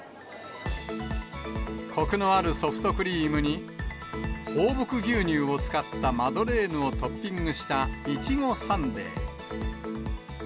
こくのあるソフトクリームに、放牧牛乳を使ったマドレーヌをトッピングした、イチゴサンデー。